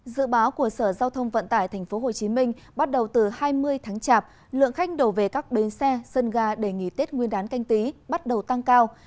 dự báo của sở giao thông vận tải tp hcm bắt đầu từ hai mươi tháng chạp lượng khách đầu về các bến xe sân ga đề nghị tết nguyên đáng canh tí bắt đầu tăng cao